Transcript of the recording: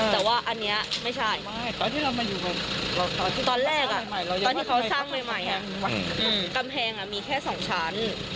แต่ว่าอันเนี้ยไม่ใช่ตอนแรกอ่ะตอนที่เขาสร้างใหม่อ่ะกำแพงอ่ะมีแค่สองชั้น